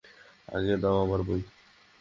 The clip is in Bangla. আগে দাও আমার বই।